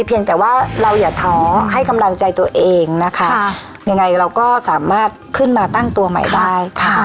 เพียงแต่ว่าเราอย่าท้อให้กำลังใจตัวเองนะคะยังไงเราก็สามารถขึ้นมาตั้งตัวใหม่ได้ค่ะ